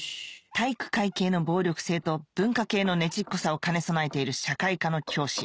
体育会系の暴力性と文化系のネチっこさを兼ね備えている社会科の教師